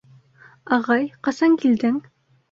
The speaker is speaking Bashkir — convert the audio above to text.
— Ағай, ҡасан килдең?